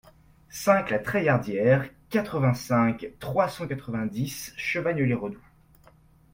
cinq la Treillardière, quatre-vingt-cinq, trois cent quatre-vingt-dix, Chavagnes-les-Redoux